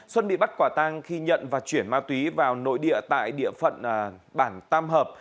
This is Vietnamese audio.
xuân bị bắt quả tang khi nhận và chuyển ma túy vào nội địa tại địa phận bản tam hợp